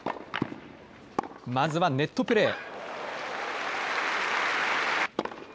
まずはネットプレー。